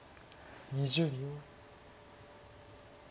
２０秒。